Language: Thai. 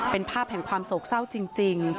เป็นภาพแห่งความโศกเศร้าจริง